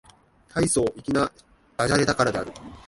大層粋な駄洒落だからである